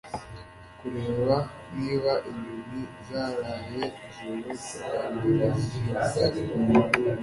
Kureba niba inyoni zaraye ijoro ryambere zinyuze